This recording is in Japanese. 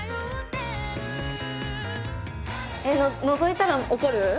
のぞいたら怒る？